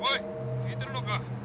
聞いてるのか？